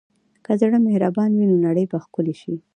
که زړه مهربان وي، نو نړۍ به ښکلې شي.